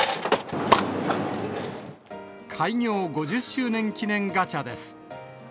開業５０周年記念ガチャです。